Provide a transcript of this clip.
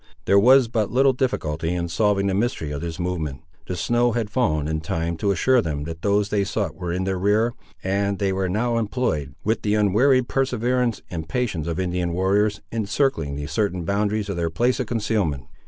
There was but little difficulty in solving the mystery of this movement. The snow had fallen in time to assure them that those they sought were in their rear, and they were now employed, with the unwearied perseverance and patience of Indian warriors, in circling the certain boundaries of their place of concealment.